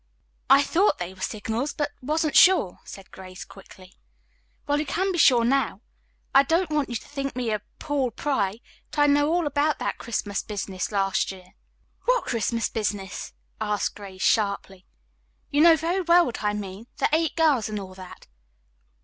"I thought they were signals, but wasn't sure," said Grace quickly. "Well, you can be sure now. I don't want you to think me a Paul Pry, but I know all about that Christmas business last year." "What 'Christmas business'?" asked Grace sharply. "You know very well what I mean, the eight girls and all that."